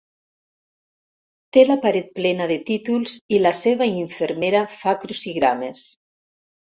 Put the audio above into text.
Té la paret plena de títols i la seva infermera fa crucigrames.